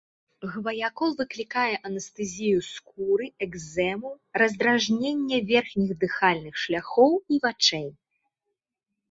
Гваякол выклікае анестэзію скуры, экзэму, раздражненне верхніх дыхальных шляхоў і вачэй.